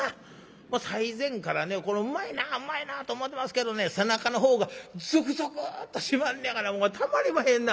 もう最前からうまいなうまいなと思ってますけどね背中の方がゾクゾクとしまんねやからもうたまりまへんな